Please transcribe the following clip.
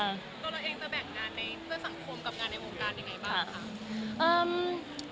ตายเองจะแบ่งงานในเศรษฐกับการในวงการอย่างไรบ้างค่ะ